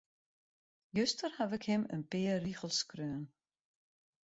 Juster haw ik him in pear rigels skreaun.